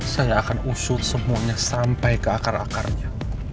saya akan usut semuanya sampai ke akar akarnya